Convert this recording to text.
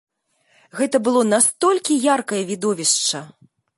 Гэта было настолькі яркае відовішча!